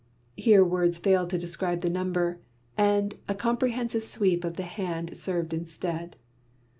here words failed to describe the number, and a comprehensive sweep of the hand served instead.